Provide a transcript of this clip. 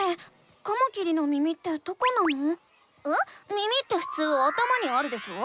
耳ってふつう頭にあるでしょ？